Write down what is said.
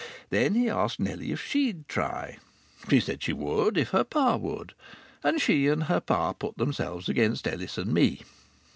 Then he asked Nellie if she'd "try." She said she would if her pa would. And she and her pa put themselves against Ellis and me.